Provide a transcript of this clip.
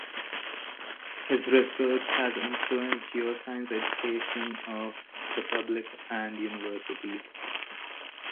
His research has influenced geoscience education of the public and universities.